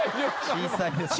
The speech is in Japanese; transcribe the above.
小さいですね。